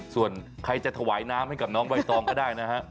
ส่วนใครจะถวายน้ำให้กับน้องใบตองก็ได้นะฮะ